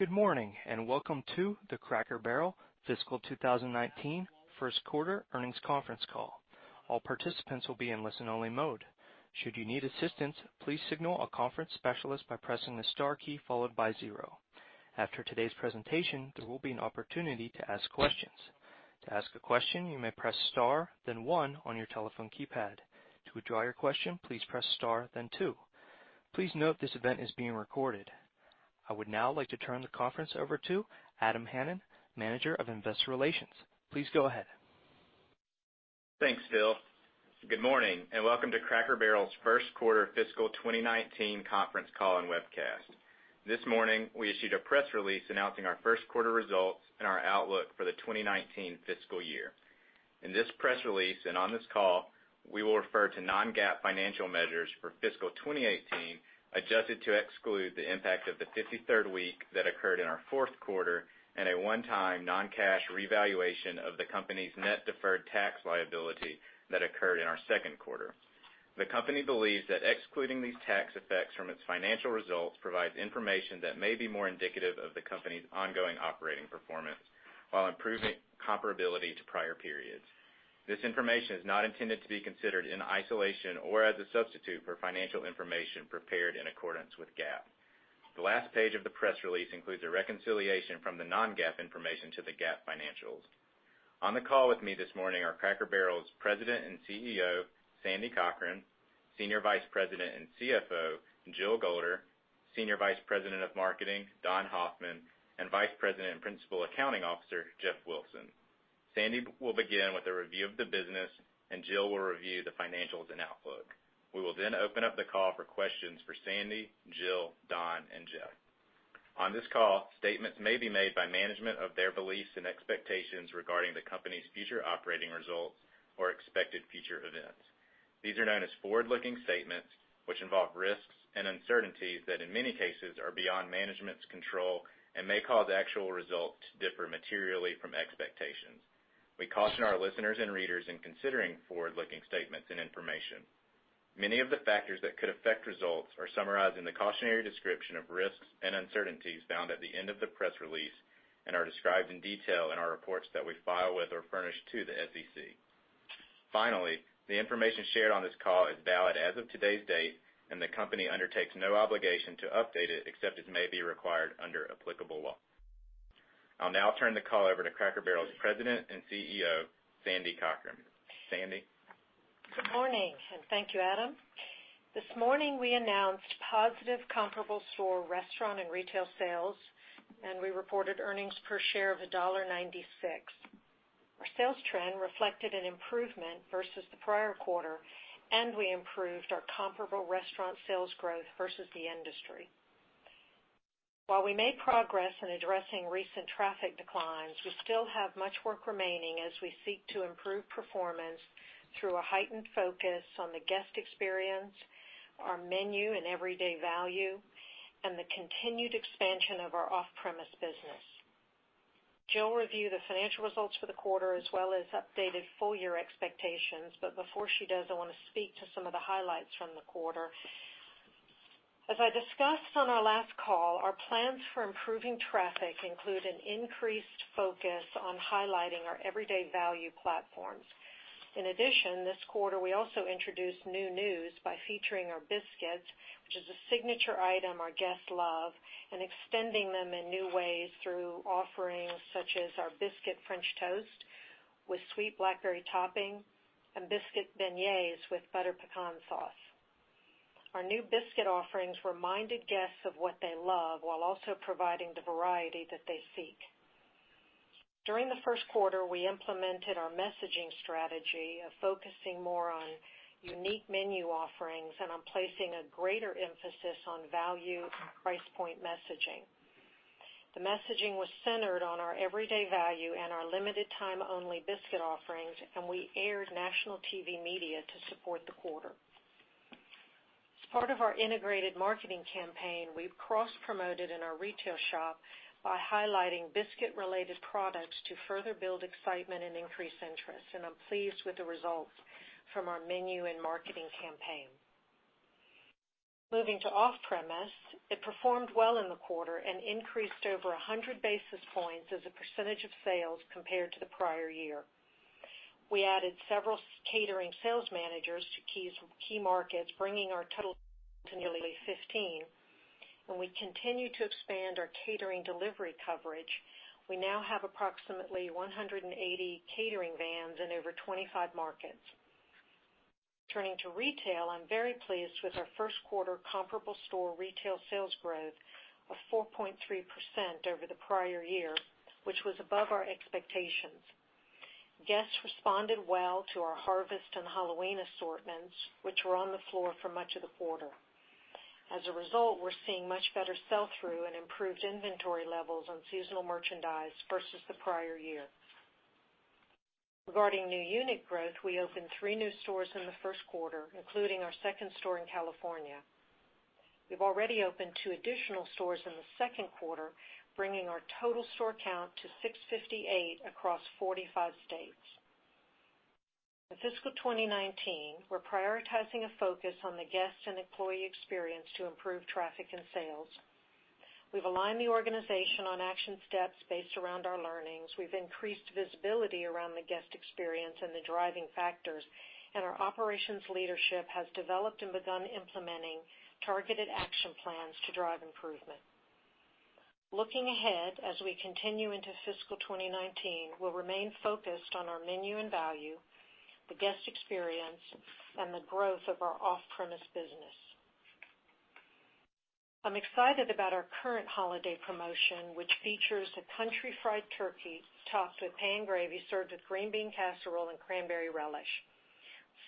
Good morning, welcome to the Cracker Barrel fiscal 2019 first quarter earnings conference call. All participants will be in listen-only mode. Should you need assistance, please signal a conference specialist by pressing the star key followed by zero. After today's presentation, there will be an opportunity to ask questions. To ask a question, you may press star then one on your telephone keypad. To withdraw your question, please press star then two. Please note this event is being recorded. I would now like to turn the conference over to Adam Hanan, Manager of Investor Relations. Please go ahead. Thanks, Phil. Good morning, welcome to Cracker Barrel's first quarter fiscal 2019 conference call and webcast. This morning, we issued a press release announcing our first quarter results and our outlook for the 2019 fiscal year. In this press release and on this call, we will refer to non-GAAP financial measures for fiscal 2018, adjusted to exclude the impact of the 53rd week that occurred in our fourth quarter, and a one-time non-cash revaluation of the company's net deferred tax liability that occurred in our second quarter. The company believes that excluding these tax effects from its financial results provides information that may be more indicative of the company's ongoing operating performance while improving comparability to prior periods. This information is not intended to be considered in isolation or as a substitute for financial information prepared in accordance with GAAP. The last page of the press release includes a reconciliation from the non-GAAP information to the GAAP financials. On the call with me this morning are Cracker Barrel's President and CEO, Sandy Cochran; Senior Vice President and CFO, Jill Golder; Senior Vice President of Marketing, Don Hoffman; and Vice President and Principal Accounting Officer, Jeff Wilson. Sandy will begin with a review of the business, and Jill will review the financials and outlook. We will open up the call for questions for Sandy, Jill, Don, and Jeff. On this call, statements may be made by management of their beliefs and expectations regarding the company's future operating results or expected future events. These are known as forward-looking statements, which involve risks and uncertainties that, in many cases, are beyond management's control and may cause actual results to differ materially from expectations. We caution our listeners and readers in considering forward-looking statements and information. Many of the factors that could affect results are summarized in the cautionary description of risks and uncertainties found at the end of the press release and are described in detail in our reports that we file with or furnish to the SEC. Finally, the information shared on this call is valid as of today's date, and the company undertakes no obligation to update it, except as may be required under applicable law. I'll now turn the call over to Cracker Barrel's President and CEO, Sandy Cochran. Sandy? Good morning, thank you, Adam. This morning, we announced positive comparable store restaurant and retail sales, we reported earnings per share of $1.96. Our sales trend reflected an improvement versus the prior quarter, we improved our comparable restaurant sales growth versus the industry. While we made progress in addressing recent traffic declines, we still have much work remaining as we seek to improve performance through a heightened focus on the guest experience, our menu and everyday value, and the continued expansion of our off-premise business. Jill will review the financial results for the quarter as well as updated full-year expectations. Before she does, I want to speak to some of the highlights from the quarter. As I discussed on our last call, our plans for improving traffic include an increased focus on highlighting our everyday value platforms. In addition, this quarter, we also introduced new news by featuring our biscuits, which is a signature item our guests love, extending them in new ways through offerings such as our Biscuit French Toast with sweet blackberry topping and Biscuit Beignets with butter pecan sauce. Our new biscuit offerings reminded guests of what they love while also providing the variety that they seek. During the first quarter, we implemented our messaging strategy of focusing more on unique menu offerings and on placing a greater emphasis on value and price point messaging. The messaging was centered on our everyday value and our limited time only biscuit offerings, we aired national TV media to support the quarter. As part of our integrated marketing campaign, we've cross-promoted in our retail shop by highlighting biscuit-related products to further build excitement and increase interest, I'm pleased with the results from our menu and marketing campaign. Moving to off-premise, it performed well in the quarter, increased over 100 basis points as a percentage of sales compared to the prior year. We added several catering sales managers to key markets, bringing our total to nearly 15. We continue to expand our catering delivery coverage, we now have approximately 180 catering vans in over 25 markets. Turning to retail, I'm very pleased with our first quarter comparable store retail sales growth of 4.3% over the prior year, which was above our expectations. Guests responded well to our harvest and Halloween assortments, which were on the floor for much of the quarter. As a result, we're seeing much better sell-through and improved inventory levels on seasonal merchandise versus the prior year. Regarding new unit growth, we opened three new stores in the first quarter, including our second store in California. We've already opened two additional stores in the second quarter, bringing our total store count to 658 across 45 states. In fiscal 2019, we're prioritizing a focus on the guest and employee experience to improve traffic and sales. We've aligned the organization on action steps based around our learnings. We've increased visibility around the guest experience and the driving factors, our operations leadership has developed and begun implementing targeted action plans to drive improvement. Looking ahead, as we continue into fiscal 2019, we'll remain focused on our menu and value, the guest experience, and the growth of our off-premise business. I'm excited about our current holiday promotion, which features a Country Fried Turkey topped with pan gravy, served with green bean casserole and cranberry relish.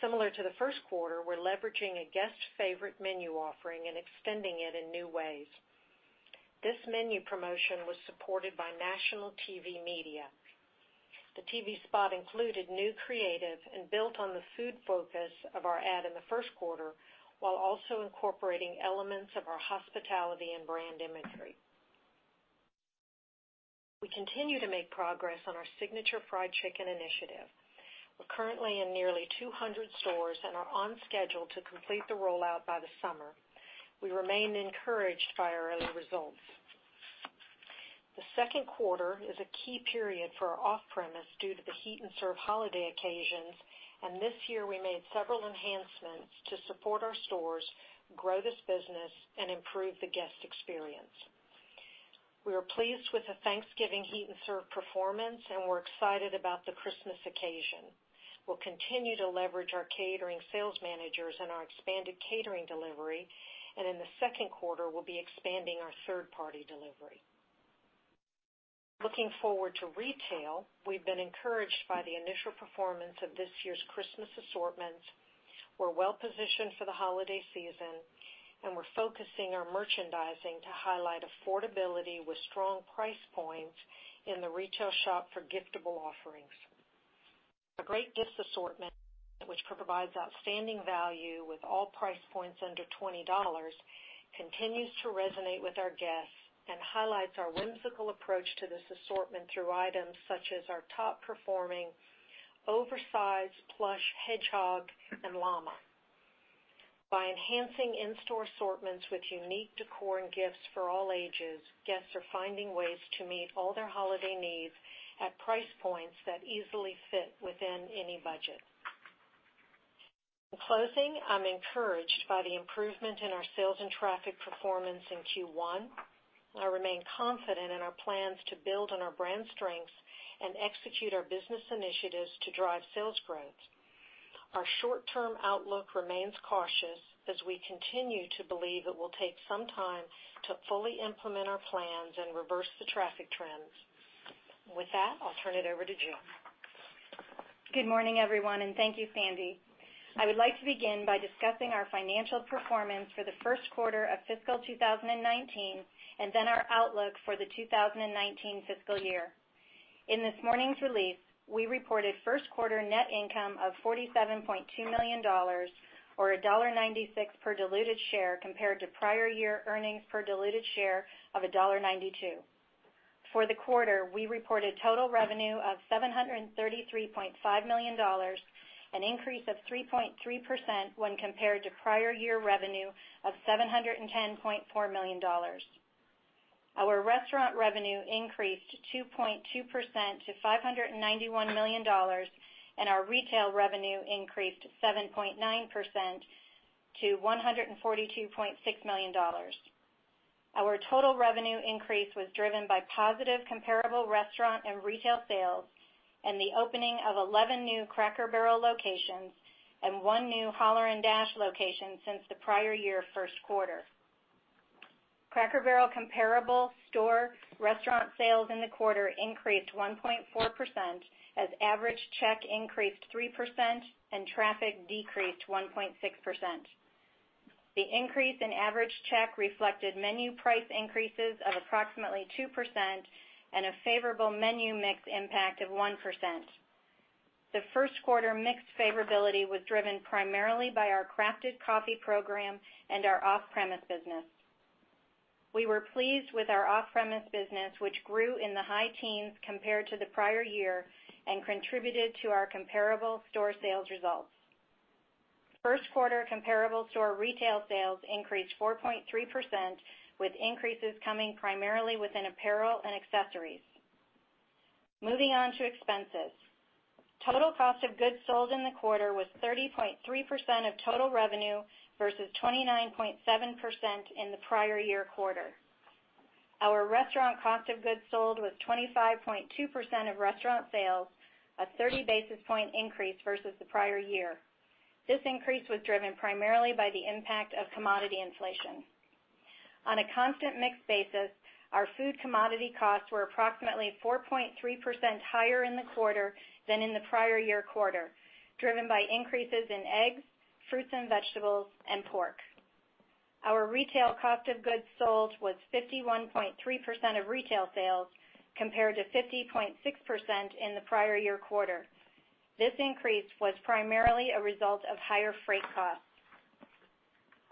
Similar to the first quarter, we're leveraging a guest favorite menu offering and extending it in new ways. This menu promotion was supported by national TV media. The TV spot included new creative and built on the food focus of our ad in the first quarter, while also incorporating elements of our hospitality and brand imagery. We continue to make progress on our Southern Fried Chicken initiative. We're currently in nearly 200 stores and are on schedule to complete the rollout by the summer. We remain encouraged by our early results. The second quarter is a key period for our off-premise due to the Heat and Serve holiday occasions, and this year we made several enhancements to support our stores, grow this business, and improve the guest experience. We are pleased with the Thanksgiving Heat and Serve performance, and we're excited about the Christmas occasion. We'll continue to leverage our catering sales managers and our expanded catering delivery, and in the second quarter, we'll be expanding our third-party delivery. Looking forward to retail, we've been encouraged by the initial performance of this year's Christmas assortments. We're well positioned for the holiday season, and we're focusing our merchandising to highlight affordability with strong price points in the retail shop for giftable offerings. A great gift assortment, which provides outstanding value with all price points under $20, continues to resonate with our guests and highlights our whimsical approach to this assortment through items such as our top-performing oversized plush hedgehog and llama. By enhancing in-store assortments with unique decor and gifts for all ages, guests are finding ways to meet all their holiday needs at price points that easily fit within any budget. In closing, I'm encouraged by the improvement in our sales and traffic performance in Q1. I remain confident in our plans to build on our brand strengths and execute our business initiatives to drive sales growth. Our short-term outlook remains cautious as we continue to believe it will take some time to fully implement our plans and reverse the traffic trends. With that, I'll turn it over to Jill. Good morning, everyone, and thank you, Sandy. I would like to begin by discussing our financial performance for the first quarter of fiscal 2019, and then our outlook for the 2019 fiscal year. In this morning's release, we reported first quarter net income of $47.2 million, or $1.96 per diluted share, compared to prior year earnings per diluted share of $1.92. For the quarter, we reported total revenue of $733.5 million, an increase of 3.3% when compared to prior year revenue of $710.4 million. Our restaurant revenue increased 2.2% to $591 million, and our retail revenue increased 7.9% to $142.6 million. Our total revenue increase was driven by positive comparable restaurant and retail sales and the opening of 11 new Cracker Barrel locations and one new Holler & Dash location since the prior year first quarter. Cracker Barrel comparable store restaurant sales in the quarter increased 1.4% as average check increased 3% and traffic decreased 1.6%. The increase in average check reflected menu price increases of approximately 2% and a favorable menu mix impact of 1%. The first quarter mix favorability was driven primarily by our Crafted Coffee program and our off-premise business. We were pleased with our off-premise business, which grew in the high teens compared to the prior year and contributed to our comparable store sales results. First quarter comparable store retail sales increased 4.3%, with increases coming primarily within apparel and accessories. Moving on to expenses. Total cost of goods sold in the quarter was 30.3% of total revenue versus 29.7% in the prior year quarter. Our restaurant cost of goods sold was 25.2% of restaurant sales, a 30 basis point increase versus the prior year. This increase was driven primarily by the impact of commodity inflation. On a constant mix basis, our food commodity costs were approximately 4.3% higher in the quarter than in the prior year quarter, driven by increases in eggs, fruits and vegetables, and pork. Our retail cost of goods sold was 51.3% of retail sales, compared to 50.6% in the prior year quarter. This increase was primarily a result of higher freight costs.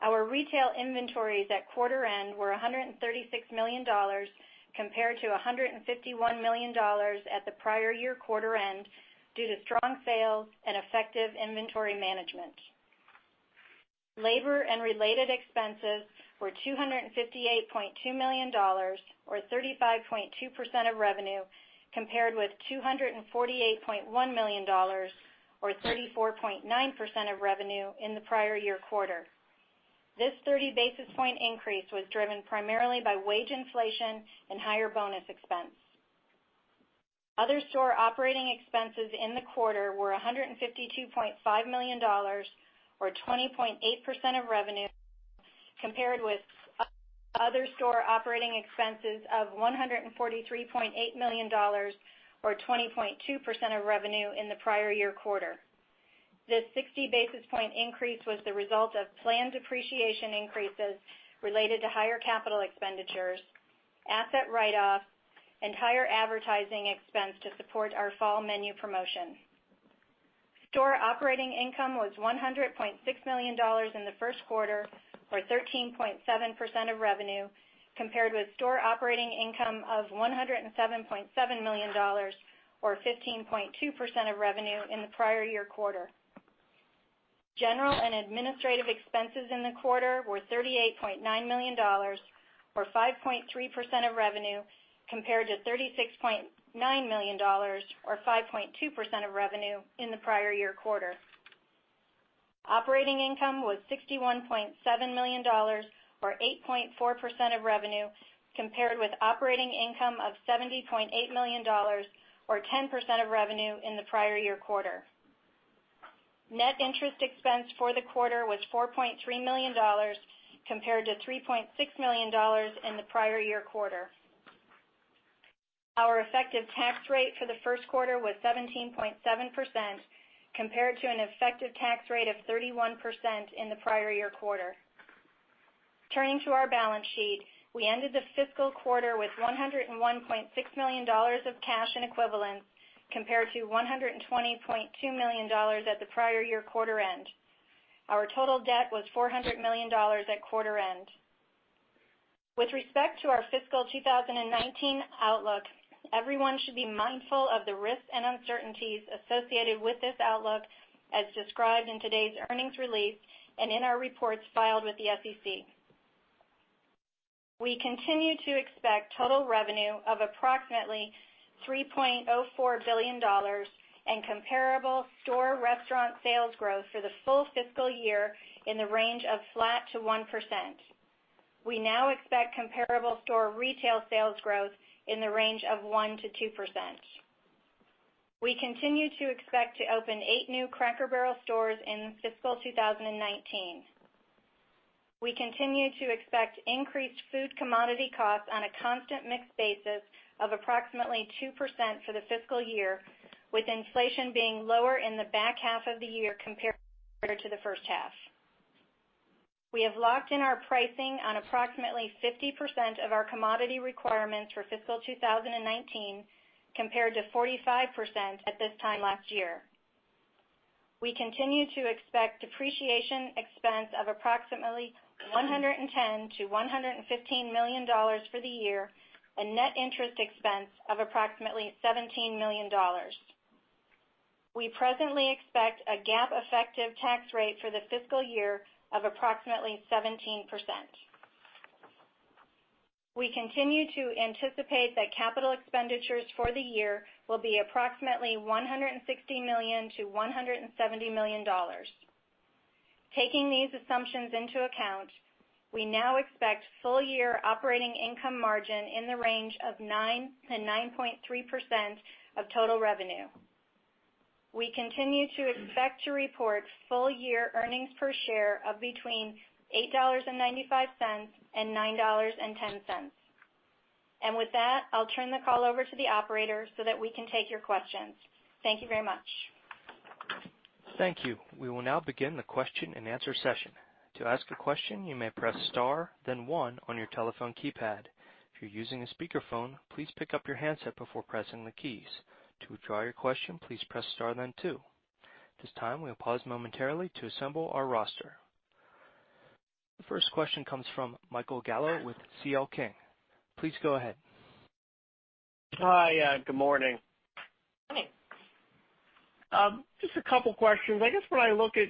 Our retail inventories at quarter end were $136 million compared to $151 million at the prior year quarter end due to strong sales and effective inventory management. Labor and related expenses were $258.2 million, or 35.2% of revenue, compared with $248.1 million, or 34.9% of revenue in the prior year quarter. This 30 basis point increase was driven primarily by wage inflation and higher bonus expense. Other store operating expenses in the quarter were $152.5 million, or 20.8% of revenue, compared with other store operating expenses of $143.8 million, or 20.2% of revenue in the prior year quarter. This 60 basis point increase was the result of planned depreciation increases related to higher capital expenditures, asset write-offs, and higher advertising expense to support our fall menu promotion. Store operating income was $100.6 million in the first quarter, or 13.7% of revenue, compared with store operating income of $107.7 million or 15.2% of revenue in the prior year quarter. General and administrative expenses in the quarter were $38.9 million, or 5.3% of revenue, compared to $36.9 million or 5.2% of revenue in the prior year quarter. Operating income was $61.7 million or 8.4% of revenue, compared with operating income of $70.8 million or 10% of revenue in the prior year quarter. Net interest expense for the quarter was $4.3 million compared to $3.6 million in the prior year quarter. Our effective tax rate for the first quarter was 17.7%, compared to an effective tax rate of 31% in the prior year quarter. Turning to our balance sheet, we ended the fiscal quarter with $101.6 million of cash and equivalents, compared to $120.2 million at the prior year quarter end. Our total debt was $400 million at quarter end. With respect to our fiscal 2019 outlook, everyone should be mindful of the risks and uncertainties associated with this outlook, as described in today's earnings release and in our reports filed with the SEC. We continue to expect total revenue of approximately $3.04 billion and comparable store restaurant sales growth for the full fiscal year in the range of flat to 1%. We now expect comparable store retail sales growth in the range of 1%-2%. We continue to expect to open eight new Cracker Barrel stores in fiscal 2019. We continue to expect increased food commodity costs on a constant mixed basis of approximately 2% for the fiscal year, with inflation being lower in the back half of the year compared to the first half. We have locked in our pricing on approximately 50% of our commodity requirements for fiscal 2019, compared to 45% at this time last year. We continue to expect depreciation expense of approximately $110 million-$115 million for the year and net interest expense of approximately $17 million. We presently expect a GAAP effective tax rate for the fiscal year of approximately 17%. We continue to anticipate that capital expenditures for the year will be approximately $160 million-$170 million. Taking these assumptions into account, we now expect full year operating income margin in the range of 9%-9.3% of total revenue. We continue to expect to report full year earnings per share of between $8.95 and $9.10. With that, I'll turn the call over to the operator so that we can take your questions. Thank you very much. Thank you. We will now begin the question and answer session. To ask a question, you may press star, then one on your telephone keypad. If you're using a speakerphone, please pick up your handset before pressing the keys. To withdraw your question, please press star, then two. At this time, we'll pause momentarily to assemble our roster. The first question comes from Michael Gallo with C.L. King. Please go ahead. Hi, good morning. Good morning. Just a couple of questions. I guess when I look at,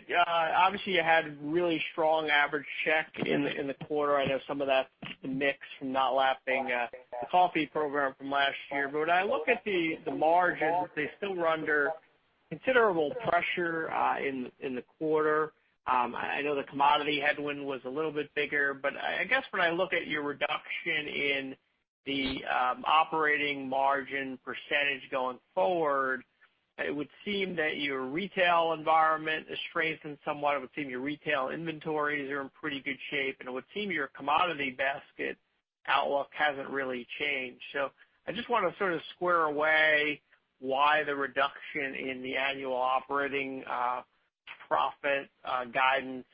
obviously, you had really strong average check in the quarter. I know some of that's the mix from not lapping the coffee program from last year. When I look at the margins, they still were under considerable pressure in the quarter. I know the commodity headwind was a little bit bigger. I guess when I look at your reduction in the operating margin % going forward, it would seem that your retail environment has strengthened somewhat. It would seem your retail inventories are in pretty good shape, and it would seem your commodity basket outlook hasn't really changed. I just want to sort of square away why the reduction in the annual operating profit guidance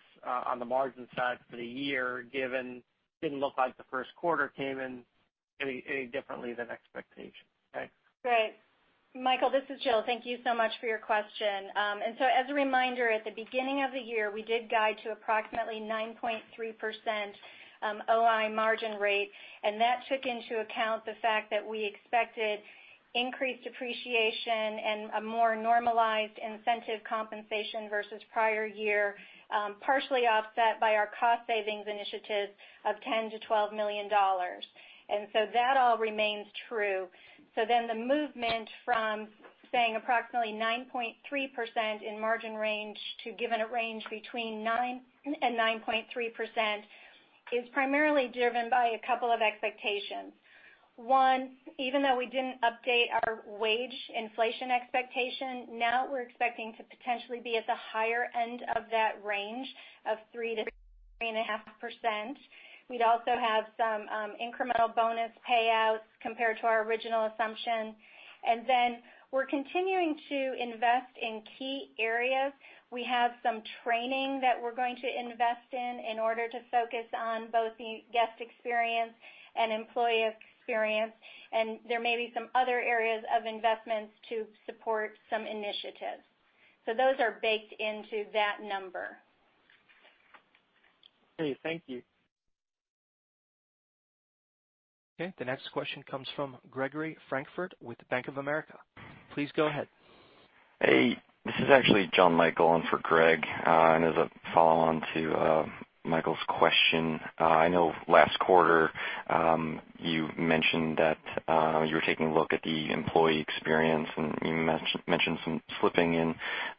on the margin side for the year, given it didn't look like the first quarter came in any differently than expectations. Thanks. Michael, this is Jill. Thank you so much for your question. As a reminder, at the beginning of the year, we did guide to approximately 9.3% OI margin rate, and that took into account the fact that we expected increased depreciation and a more normalized incentive compensation versus prior year, partially offset by our cost savings initiatives of $10 million-$12 million. That all remains true. The movement from saying approximately 9.3% in margin range to giving a range between 9%-9.3% is primarily driven by a couple of expectations. One, even though we didn't update our wage inflation expectation, now we're expecting to potentially be at the higher end of that range of 3%-3.5%. We'd also have some incremental bonus payouts compared to our original assumption. We're continuing to invest in key areas. We have some training that we're going to invest in in order to focus on both the guest experience and employee experience, and there may be some other areas of investments to support some initiatives. Those are baked into that number. Okay, thank you. The next question comes from Gregory Francfort with Bank of America. Please go ahead. Hey. This is actually John Michael on for Greg, and as a follow-on to Michael's question. I know last quarter, you mentioned that you were taking a look at the employee experience, and you mentioned some slipping in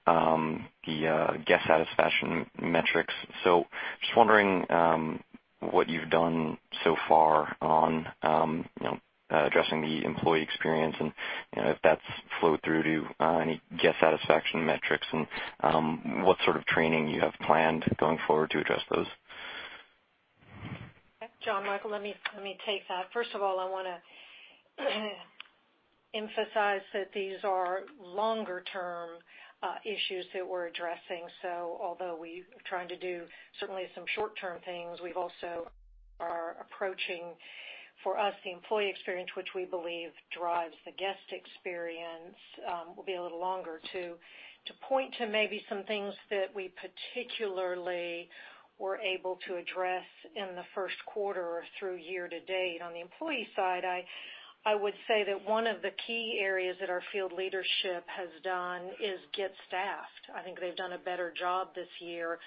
the guest satisfaction metrics. Just wondering what you've done so far on addressing the employee experience and if that's flowed through to any guest satisfaction metrics and what sort of training you have planned going forward to address those. John Michael, let me take that. First of all, I want to emphasize that these are longer-term issues that we're addressing. Although we are trying to do certainly some short-term things, we also are approaching, for us, the employee experience, which we believe drives the guest experience, will be a little longer to point to maybe some things that we particularly were able to address in the first quarter or through year to date. On the employee side, I would say that one of the key areas that our field leadership has done is get staffed. I think they've done a better job this year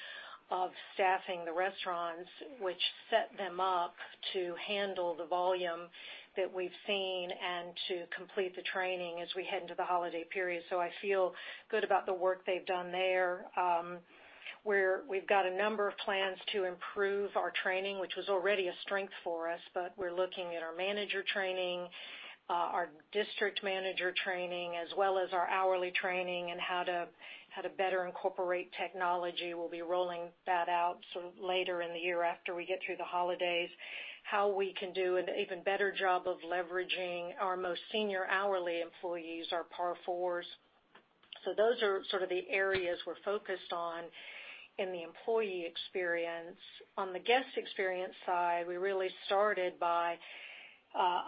of staffing the restaurants, which set them up to handle the volume that we've seen and to complete the training as we head into the holiday period. I feel good about the work they've done there. We've got a number of plans to improve our training, which was already a strength for us, but we're looking at our manager training, our district manager training, as well as our hourly training and how to better incorporate technology. We'll be rolling that out sort of later in the year after we get through the holidays. How we can do an even better job of leveraging our most senior hourly employees, our PAR IVs. Those are sort of the areas we're focused on in the employee experience. On the guest experience side, we really started by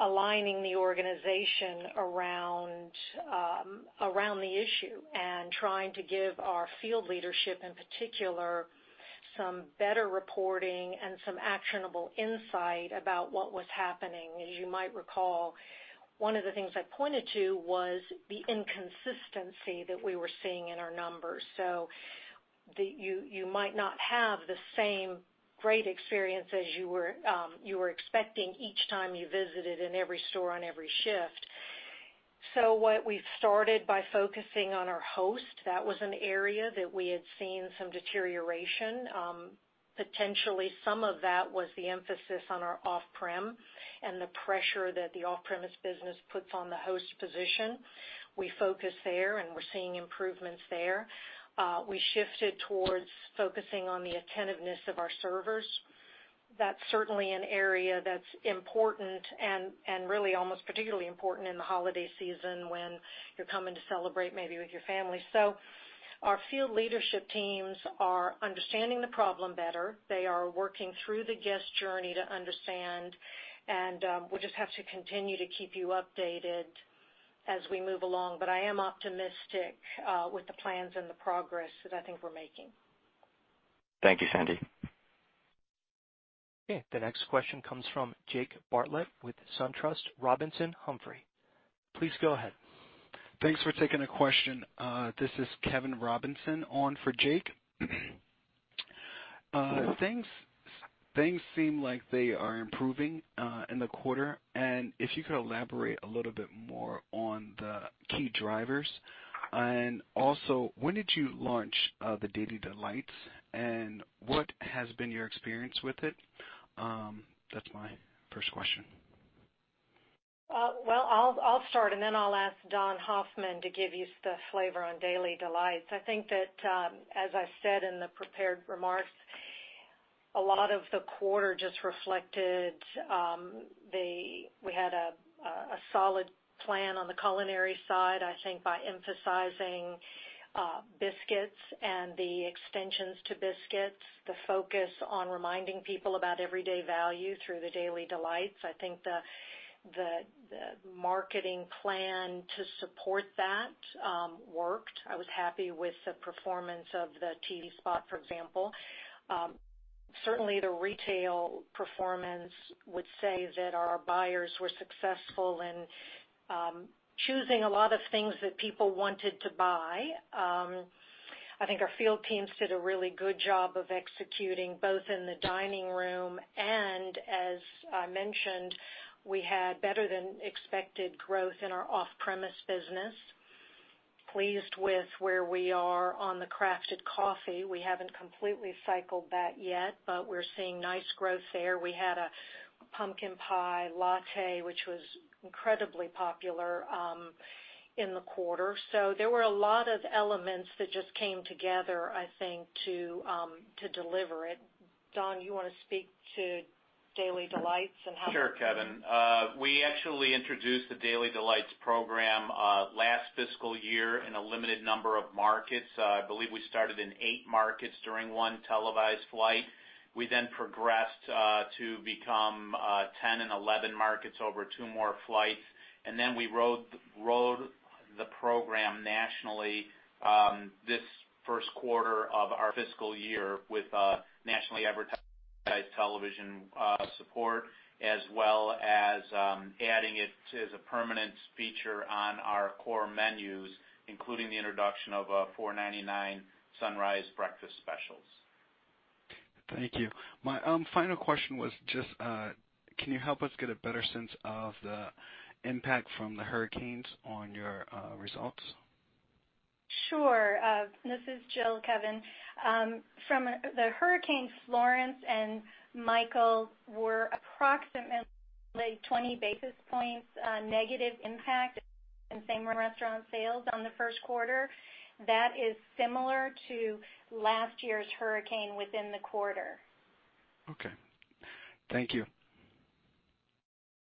aligning the organization around the issue and trying to give our field leadership, in particular, some better reporting and some actionable insight about what was happening. As you might recall, one of the things I pointed to was the inconsistency that we were seeing in our numbers. You might not have the same great experience as you were expecting each time you visited in every store on every shift. What we've started by focusing on our host, that was an area that we had seen some deterioration. Potentially, some of that was the emphasis on our off-prem and the pressure that the off-premise business puts on the host position. We focus there, and we're seeing improvements there. We shifted towards focusing on the attentiveness of our servers. That's certainly an area that's important and really almost particularly important in the holiday season when you're coming to celebrate maybe with your family. Our field leadership teams are understanding the problem better. They are working through the guest journey to understand, and we'll just have to continue to keep you updated as we move along. I am optimistic with the plans and the progress that I think we're making. Thank you, Sandy. Okay. The next question comes from Jake Bartlett with SunTrust Robinson Humphrey. Please go ahead. Thanks for taking the question. This is Kevin Robinson on for Jake. Things seem like they are improving in the quarter. If you could elaborate a little bit more on the key drivers. Also, when did you launch the Daily Specials? What has been your experience with it? That's my first question. Well, I'll start, and then I'll ask Don Hoffman to give you the flavor on Daily Specials. I think that, as I said in the prepared remarks, a lot of the quarter just reflected we had a solid plan on the culinary side, I think by emphasizing biscuits and the extensions to biscuits, the focus on reminding people about everyday value through the Daily Specials. The marketing plan to support that worked. I was happy with the performance of the TV spot, for example. Certainly, the retail performance would say that our buyers were successful in choosing a lot of things that people wanted to buy. I think our field teams did a really good job of executing, both in the dining room and, as I mentioned, we had better than expected growth in our off-premise business. Pleased with where we are on the Crafted Coffee. We haven't completely cycled that yet, but we're seeing nice growth there. We had a Pumpkin Pie Latte, which was incredibly popular in the quarter. There were a lot of elements that just came together, I think, to deliver it. Don, you want to speak to Daily Specials? Sure, Kevin. We actually introduced the Daily Delights program last fiscal year in a limited number of markets. I believe we started in eight markets during one televised flight. We then progressed to become 10 and 11 markets over two more flights. We rode the program nationally this first quarter of our fiscal year with nationally advertised television support, as well as adding it as a permanent feature on our core menus, including the introduction of a $4.99 Sunrise Breakfast Specials. Thank you. My final question was just, can you help us get a better sense of the impact from the hurricanes on your results? Sure. This is Jill, Kevin. From the hurricanes, Hurricane Florence and Hurricane Michael were approximately 20 basis points negative impact in same restaurant sales on the first quarter. That is similar to last year's hurricane within the quarter. Okay. Thank you.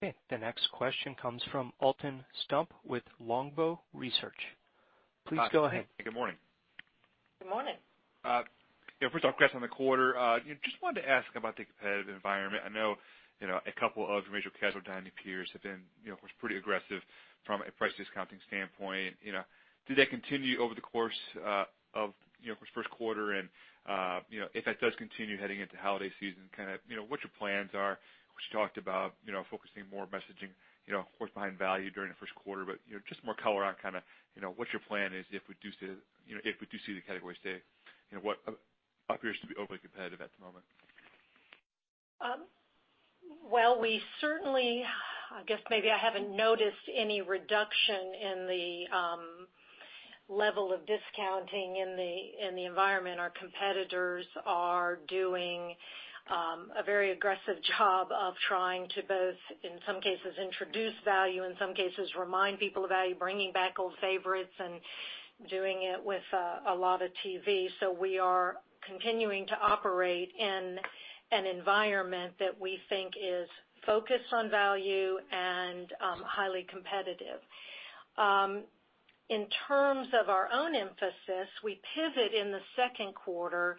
Okay. The next question comes from Alton Stump with Longbow Research. Please go ahead. Good morning. Good morning. First off, congrats on the quarter. Just wanted to ask about the competitive environment. I know a couple of your major casual dining peers have been pretty aggressive from a price discounting standpoint. If that does continue heading into holiday season, what your plans are? Of course, you talked about focusing more messaging behind value during the first quarter. Just more color on what your plan is if we do see the category stay what appears to be overly competitive at the moment. We certainly, I guess maybe I haven't noticed any reduction in the level of discounting in the environment. Our competitors are doing a very aggressive job of trying to both, in some cases, introduce value, in some cases, remind people of value, bringing back old favorites, and doing it with a lot of TV. We are continuing to operate in an environment that we think is focused on value and highly competitive. In terms of our own emphasis, we pivot in the second quarter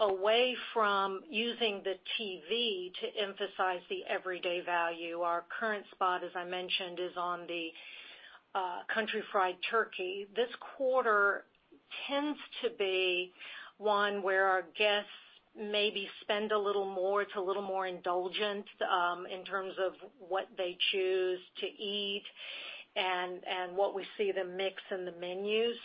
away from using the TV to emphasize the everyday value. Our current spot, as I mentioned, is on the Country Fried Turkey. This quarter tends to be one where our guests maybe spend a little more. It's a little more indulgent in terms of what they choose to eat and what we see the mix in the menus.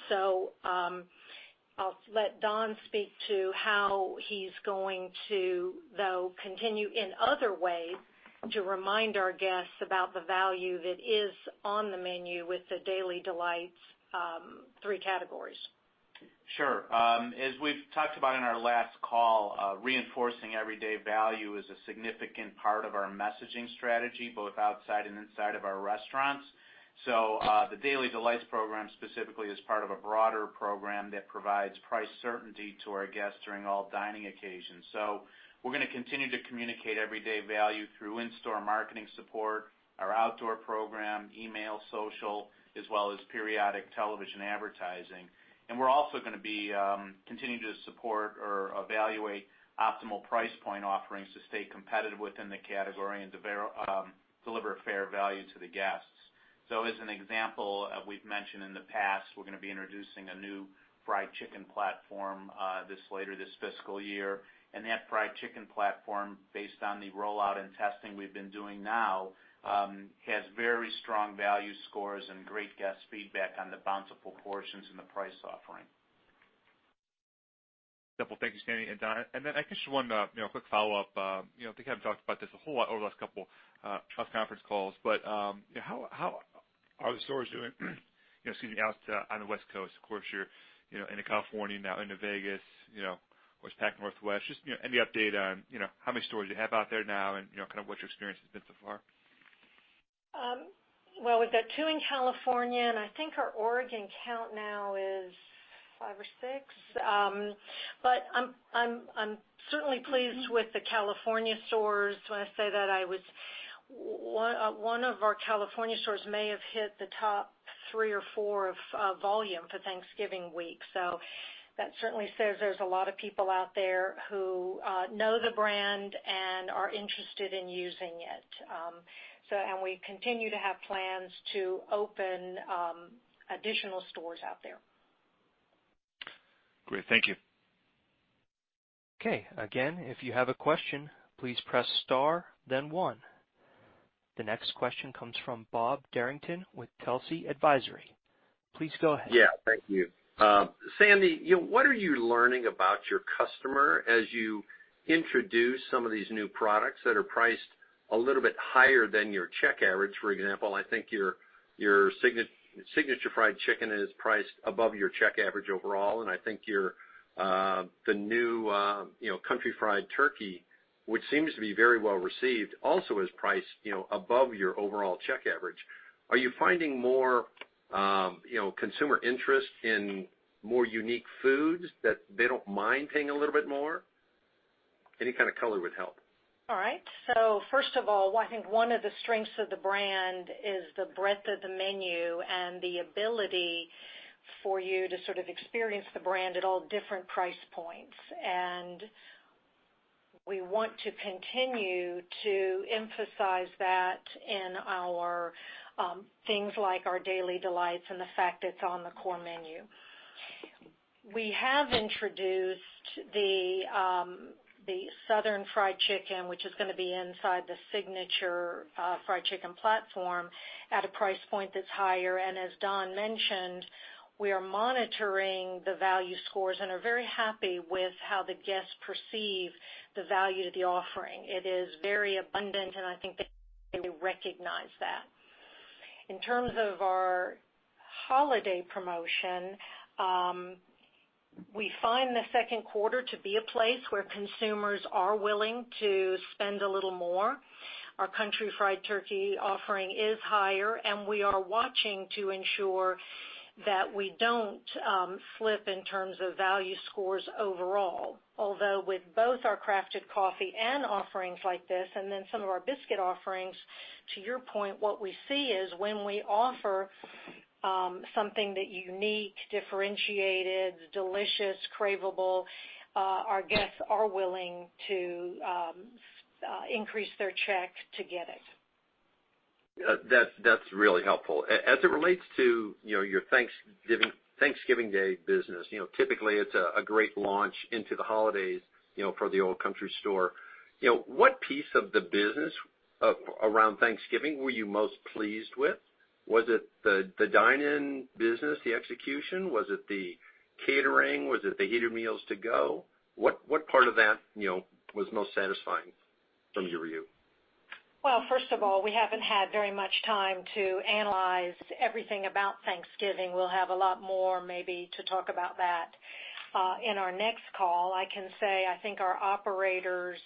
I'll let Don speak to how he's going to, though, continue in other ways to remind our guests about the value that is on the menu with the Daily Specials' three categories. Sure. As we've talked about in our last call, reinforcing everyday value is a significant part of our messaging strategy, both outside and inside of our restaurants. The Daily Specials program specifically is part of a broader program that provides price certainty to our guests during all dining occasions. We're going to continue to communicate everyday value through in-store marketing support, our outdoor program, email, social, as well as periodic television advertising. We're also going to be continuing to support or evaluate optimal price point offerings to stay competitive within the category and deliver fair value to the guests. As an example, we've mentioned in the past, we're going to be introducing a new fried chicken platform later this fiscal year. That fried chicken platform, based on the rollout and testing we've been doing now, has very strong value scores and great guest feedback on the bountiful portions and the price offering. Simple. Thank you, Sandy and Don. I guess just one quick follow-up. I think I haven't talked about this a whole lot over the last couple of conference calls, but how are the stores doing excuse me, out on the West Coast? Of course, you're into California now, into Vegas, Pacific Northwest. Just any update on how many stores you have out there now and kind of what your experience has been so far. Well, we've got two in California, and I think our Oregon count now is five or six. I'm certainly pleased with the California stores. When I say that, one of our California stores may have hit the top three or four of volume for Thanksgiving week. That certainly says there's a lot of people out there who know the brand and are interested in using it. We continue to have plans to open additional stores out there. Great. Thank you. Okay. Again, if you have a question, please press star then one. The next question comes from Bob Derrington with Telsey Advisory. Please go ahead. Yeah. Thank you. Sandy, what are you learning about your customer as you introduce some of these new products that are priced a little bit higher than your check average? For example, I think your Signature Fried Chicken is priced above your check average overall, and I think the new Country Fried Turkey, which seems to be very well-received, also is priced above your overall check average. Are you finding more consumer interest in more unique foods that they don't mind paying a little bit more? Any kind of color would help. All right. First of all, I think one of the strengths of the brand is the breadth of the menu and the ability for you to sort of experience the brand at all different price points. We want to continue to emphasize that in things like our Daily Specials and the fact it's on the core menu. We have introduced the Southern Fried Chicken, which is going to be inside the Signature Fried Chicken platform, at a price point that's higher. As Don mentioned, we are monitoring the value scores and are very happy with how the guests perceive the value of the offering. It is very abundant, and I think they recognize that. In terms of our holiday promotion, we find the second quarter to be a place where consumers are willing to spend a little more. Our Country Fried Turkey offering is higher, and we are watching to ensure that we don't flip in terms of value scores overall. Although with both our Crafted Coffee and offerings like this, and then some of our biscuit offerings, to your point, what we see is when we offer something that unique, differentiated, delicious, craveable, our guests are willing to increase their check to get it. That's really helpful. As it relates to your Thanksgiving Day business, typically it's a great launch into the holidays for the Old Country Store. What piece of the business around Thanksgiving were you most pleased with? Was it the dine-in business, the execution? Was it the catering? Was it the heated meals to go? What part of that was most satisfying from your view? Well, first of all, we haven't had very much time to analyze everything about Thanksgiving. We'll have a lot more, maybe, to talk about that in our next call. I can say, I think our operators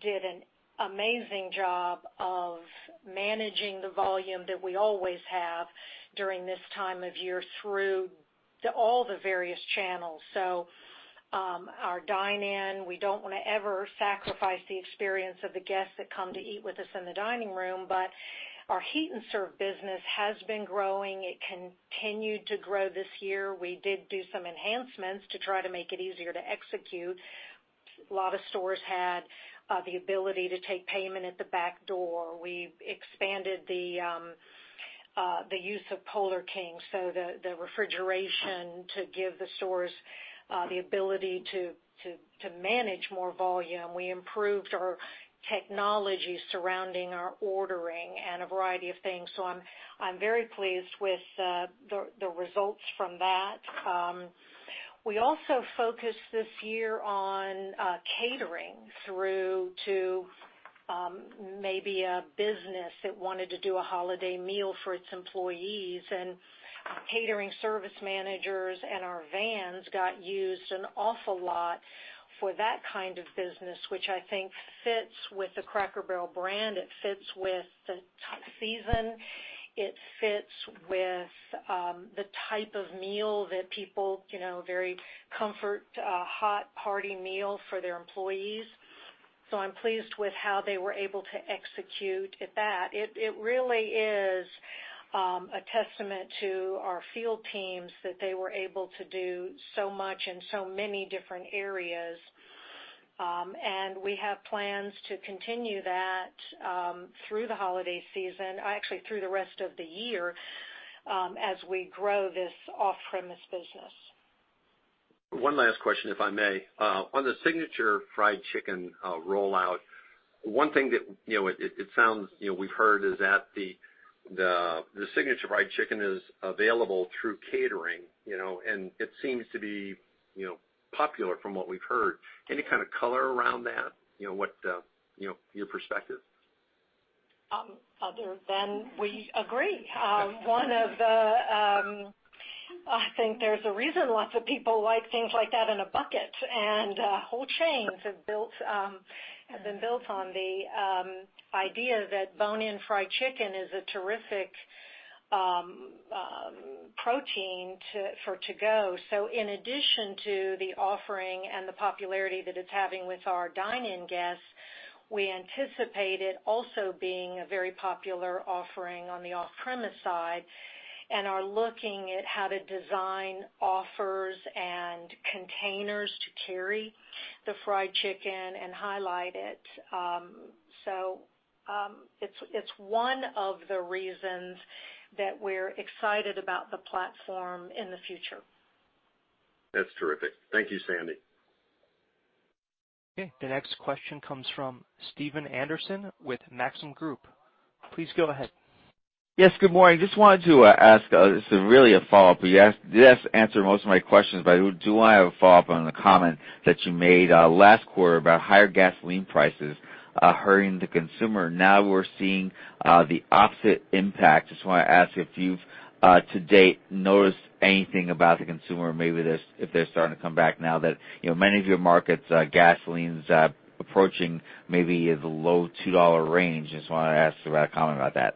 did an amazing job of managing the volume that we always have during this time of year through all the various channels. Our dine-in, we don't want to ever sacrifice the experience of the guests that come to eat with us in the dining room. Our heat and serve business has been growing. It continued to grow this year. We did do some enhancements to try to make it easier to execute. A lot of stores had the ability to take payment at the back door. We expanded the use of Polar King, so the refrigeration to give the stores the ability to manage more volume. We improved our technology surrounding our ordering and a variety of things. I'm very pleased with the results from that. We also focused this year on catering through to maybe a business that wanted to do a holiday meal for its employees, catering service managers and our vans got used an awful lot for that kind of business, which I think fits with the Cracker Barrel brand. It fits with the season. It fits with the type of meal that people, very comfort, hot, hearty meal for their employees. I'm pleased with how they were able to execute at that. It really is a testament to our field teams that they were able to do so much in so many different areas. We have plans to continue that through the holiday season, actually through the rest of the year, as we grow this off-premise business. One last question, if I may. On the Southern Fried Chicken rollout, one thing that we've heard is that the Southern Fried Chicken is available through catering. It seems to be popular from what we've heard. Any kind of color around that? Your perspective. Other than we agree. I think there's a reason lots of people like things like that in a bucket. Whole chains have been built on the idea that bone-in fried chicken is a terrific protein for to-go. In addition to the offering and the popularity that it's having with our dine-in guests, we anticipate it also being a very popular offering on the off-premise side and are looking at how to design offers and Containers to carry the fried chicken and highlight it. It's one of the reasons that we're excited about the platform in the future. That's terrific. Thank you, Sandy. The next question comes from Stephen Anderson with Maxim Group. Please go ahead. Good morning. Just wanted to ask, this is really a follow-up, you did answer most of my questions. I do want to have a follow-up on the comment that you made last quarter about higher gasoline prices hurting the consumer. We're seeing the opposite impact. Just want to ask if you've, to date, noticed anything about the consumer, maybe if they're starting to come back now that many of your markets, gasoline's approaching maybe the low $2 range. Just want to ask about a comment about that.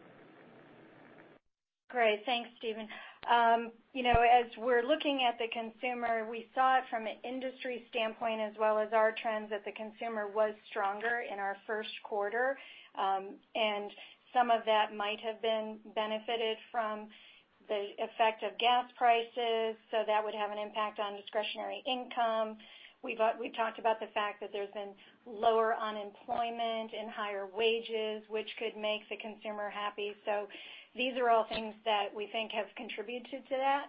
Great. Thanks, Stephen. As we're looking at the consumer, we saw it from an industry standpoint as well as our trends, that the consumer was stronger in our first quarter. Some of that might have benefited from the effect of gas prices, so that would have an impact on discretionary income. We've talked about the fact that there's been lower unemployment and higher wages, which could make the consumer happy. These are all things that we think have contributed to that.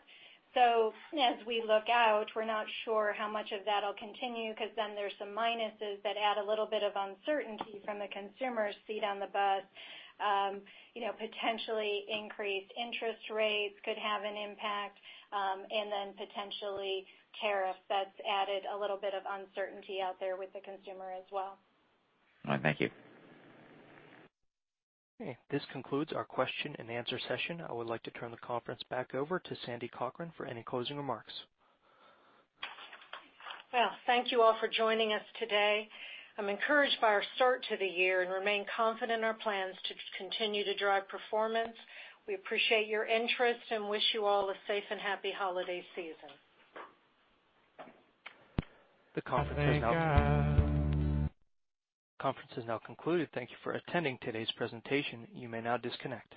As we look out, we're not sure how much of that'll continue, because there's some minuses that add a little bit of uncertainty from the consumer's seat on the bus. Potentially increased interest rates could have an impact, and potentially tariffs. That's added a little bit of uncertainty out there with the consumer as well. All right. Thank you. Okay. This concludes our question and answer session. I would like to turn the conference back over to Sandra Cochran for any closing remarks. Well, thank you all for joining us today. I'm encouraged by our start to the year and remain confident in our plans to continue to drive performance. We appreciate your interest and wish you all a safe and happy holiday season. The conference is now concluded. Thank you for attending today's presentation. You may now disconnect.